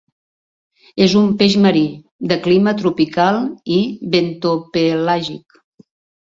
És un peix marí, de clima tropical i bentopelàgic.